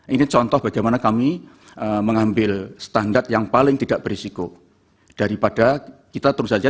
ini contoh bagaimana kami mengambil standar yang paling tidak berisiko daripada kita terus saja